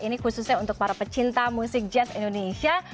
ini khususnya untuk para pecinta musik jazz indonesia